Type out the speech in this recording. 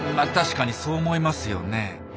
確かにそう思いますよね。